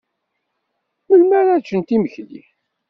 Melmi ara ččent imekli?